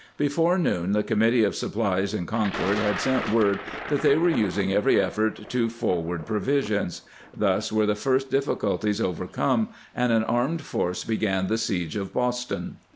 Before noon the committee of supplies in Concord had sent word that they were using every effort to forward pro visions. Thus were the first difHculties overcomb, and an armed force began the siege of Boston.